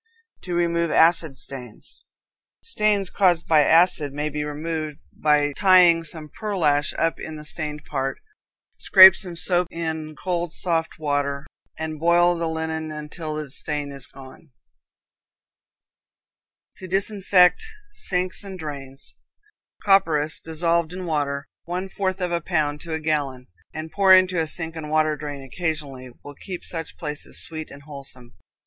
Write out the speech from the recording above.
To Remove Acid Stains. Stains caused by acids may be removed by tying some pearlash up in the stained part; scrape some soap in cold, soft water, and boil the linen until the stain is gone. To Disinfect Sinks and Drains. Copperas dissolved in water, one fourth of a pound to a gallon, and poured into a sink and water drain occasionally, will keep such places sweet and wholesome.